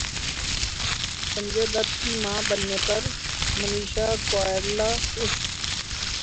سنجے دت کی ماں بننے پرمنیشا کوئرالا خوش